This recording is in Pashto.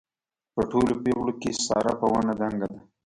په ټولو پېغلو کې ساره په ونه دنګه ده.